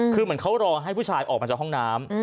คือเหมือนเขารอให้ผู้ชายออกมาจากห้องน้ำ